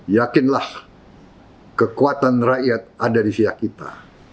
yakinlah kekuatan rakyat ada di siak kita